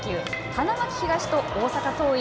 花巻東と大阪桐蔭。